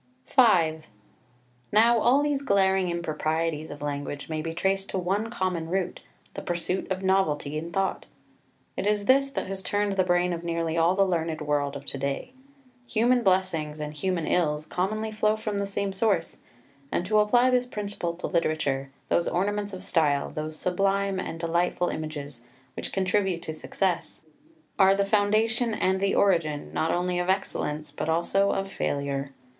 [Footnote 6: v. 18.] V Now all these glaring improprieties of language may be traced to one common root the pursuit of novelty in thought. It is this that has turned the brain of nearly all the learned world of to day. Human blessings and human ills commonly flow from the same source: and, to apply this principle to literature, those ornaments of style, those sublime and delightful images, which contribute to success, are the foundation and the origin, not only of excellence, but also of failure.